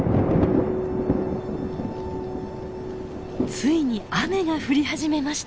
ついに雨が降り始めました。